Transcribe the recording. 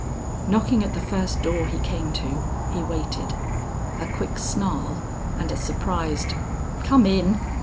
Knocking at the first door he came to, he waited. A quick snarl and a surprised, "Come in!"